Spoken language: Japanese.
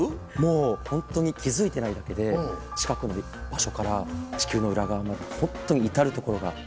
ホントに気付いてないだけで近くの場所から地球の裏側までホントに至る所が。